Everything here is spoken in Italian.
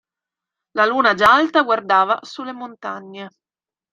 La luna già alta guardava sulle montagne.